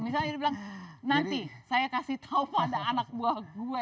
misalnya dia bilang nanti saya kasih tau pada anak buah gue